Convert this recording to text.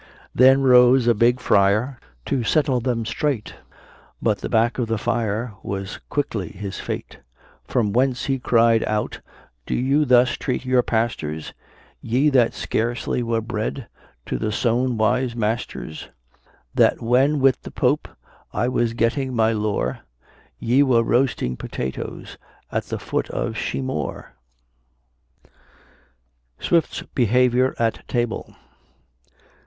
Then rose a big friar, To settle them straight, But the back of the fire Was quickly his fate. From whence he cried out, Do you thus treat your pastors! Ye that scarcely were bred To the sewn wise masters; That when with the Pope I was getting my lore, Ye were roasting potatoes At the foot of Sheemor. SWIFT'S BEHAVIOR AT TABLE.